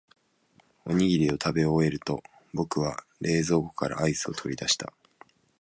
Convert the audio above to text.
おにぎりを食べ終えると、僕は冷凍庫からアイスを取り出した。